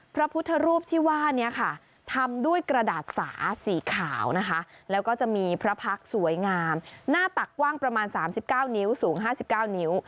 พระพุทธรูปที่ว่านี้ค่ะทำด้วยกระดาษสาสีขาวนะคะแล้วก็จะมีพระพักษ์สวยงามหน้าตักกว้างประมาณ๓๙นิ้วสูง๕๙นิ้ว